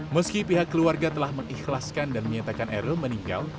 meski pihak keluarga telah mengikhlaskan dan menyatakan eril meninggal